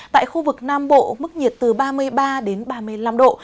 tại khu vực nam bộ mức nhiệt từ ba mươi ba đến ba mươi năm độ